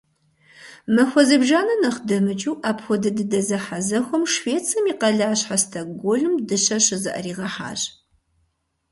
Махуэ зыбжанэ нэхъ дэмыкӀыу апхуэдэ дыдэ зэхьэзэхуэм Швецием и къалащхьэ Стокгольм дыщэр щызыӀэригъэхьащ.